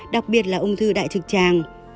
đặc biệt là ung thư đại trực tràng